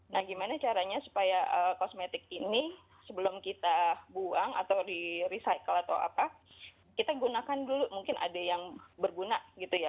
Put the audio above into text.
nah gimana caranya supaya kosmetik ini sebelum kita buang atau di recycle atau apa kita gunakan dulu mungkin ada yang berguna gitu ya